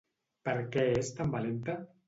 Per què és tan valenta?